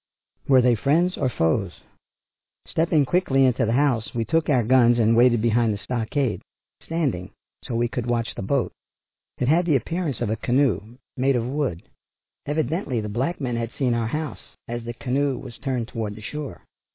Were they friends or foes? Stepping quickly into the house we took our guns and waited behind the stockade, standing so we could watch the boat. It had the appearance of a canoe, made of wood. Evidently the black men had seen our house as the canoe was turned toward the shore.